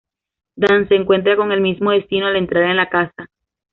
Dan se encuentra con el mismo destino al entrar en la casa.